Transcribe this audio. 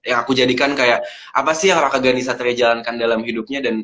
yang aku jadikan kayak apa sih yang raka ghani satria jalankan dalam hidupnya